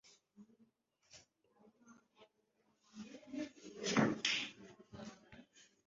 isukari ikawa n itabi ariko mu myaka ya vuba aha